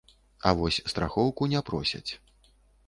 А вось страхоўку не просяць.